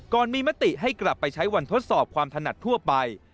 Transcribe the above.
มีมติให้กลับไปใช้วันทดสอบความถนัดทั่วไป